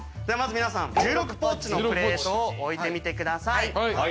ではまず皆さん１６ポッチのプレートを置いてみてください。